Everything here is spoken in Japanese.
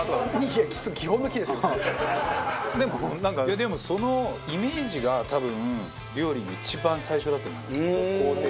でもそのイメージが多分料理の一番最初だと思います工程として。